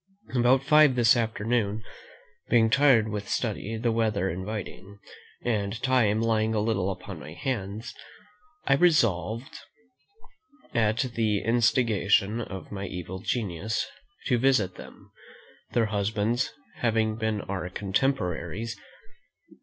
About five this afternoon, being tired with study, the weather inviting, and time lying a little upon my hands, I resolved, at the instigation of my evil genius, to visit them; their husbands having been our contemporaries.